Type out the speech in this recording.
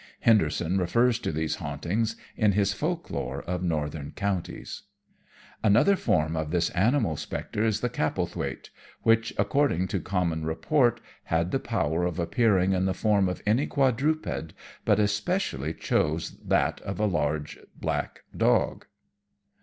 (Henderson refers to these hauntings in his Folk lore of Northern Counties.) Another form of this animal spectre is the Capelthwaite, which, according to common report, had the power of appearing in the form of any quadruped, but usually chose that of a large, black dog.